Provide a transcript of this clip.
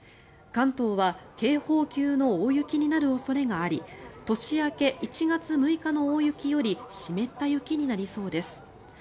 関東は警報級の大雪になる恐れがあり年明け１月６日の大雪より湿った雪になりそうです。